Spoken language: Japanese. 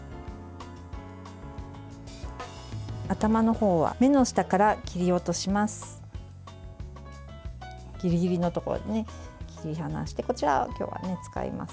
頭のほうは目の下から切り落とします。